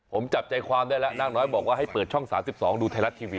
ผมจับใจความได้แล้วนางน้อยบอกว่าให้เปิดช่อง๓๒ดูไทยรัฐทีวี